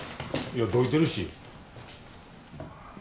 いやどいてるし。